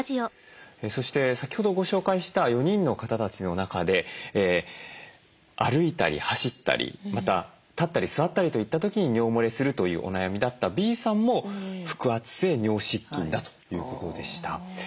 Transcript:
そして先ほどご紹介した４人の方たちの中で歩いたり走ったりまた立ったり座ったりといった時に尿もれするというお悩みだったＢさんも腹圧性尿失禁だということでした。